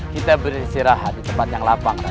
kita beristirahat di tempat yang apang raden